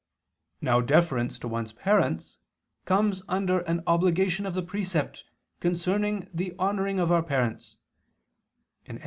Now deference to one's parents comes under an obligation of the precept concerning the honoring of our parents (Ex.